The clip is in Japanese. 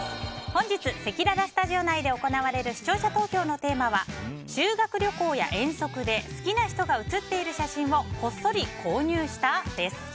本日せきららスタジオ内で行われる視聴者投票のテーマは修学旅行や遠足で好きな人が写っている写真をこっそり購入した？です。